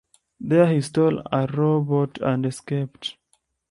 There he stole a row boat and escaped.